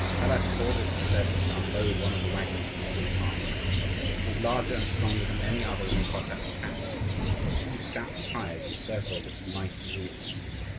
Taras ordered his servants to unload one of the waggons which stood apart. It was larger and stronger than any other in the Cossack camp; two stout tires encircled its mighty wheels.